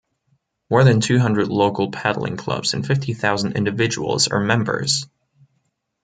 More than two hundred local paddling clubs and fifty thousand individuals are members.